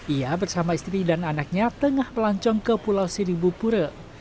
ia bersama istri dan anaknya tengah melancong ke pulau siribupura